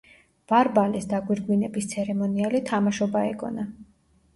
ბარბალეს დაგვირგვინების ცერემონიალი თამაშობა ეგონა.